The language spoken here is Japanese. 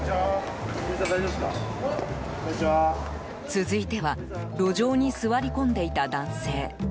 続いては路上に座り込んでいた男性。